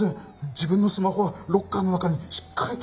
自分のスマホはロッカーの中にしっかりと。